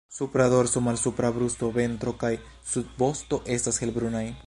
Supra dorso, malsupra brusto, ventro kaj subvosto estas helbrunaj.